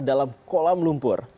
dalam kolam lumpur